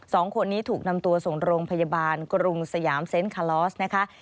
สองคนนี้ถูกนำตัวส่งโรงพยาบาลกรุงสยามเซ็นต์คาลอสนะคะ